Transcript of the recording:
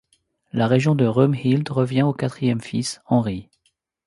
La région de Römhild revient au quatrième fils, Henri.